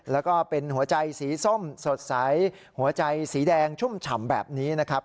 แล้วก็เป็นหัวใจสีส้มสดใสหัวใจสีแดงชุ่มฉ่ำแบบนี้นะครับ